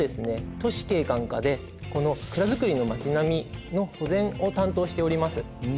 都市景観課でこの蔵造りのまち並みの保全を担当しております。